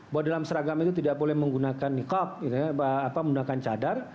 bahwa dalam seragam itu tidak boleh menggunakan nicob menggunakan cadar